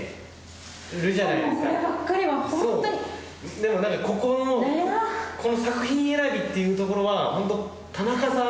でもここのこの作品選びっていうところは本当田中さん